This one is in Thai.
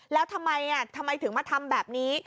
แล้วทำไมถึงมาทำแบบนี้